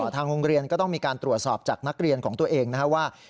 ทางโรงเรียนก็ต้องมีการตรวจสอบจากนักเรียนของตัวเองนะครับว่า